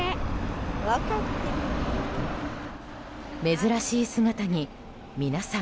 珍しい姿に皆さん